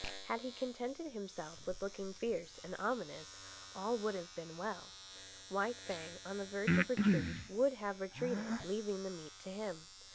Had he contented himself with looking fierce and ominous, all would have been well. White Fang, on the verge of retreat, would have retreated, leaving the meat to him.